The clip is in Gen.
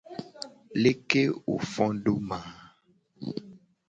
Leke wo fo do ma ?